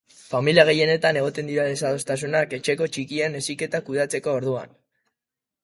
Familia gehienetan egoten dira desadostasunak etxeko txikien heziketa kudeatzerako orduan.